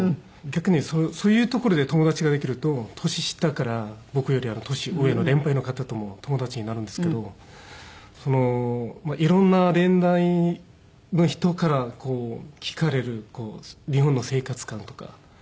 逆にそういう所で友達ができると年下から僕より年上の年配の方とも友達になるんですけどそのいろんな年代の人から聞かれる日本の生活観とか。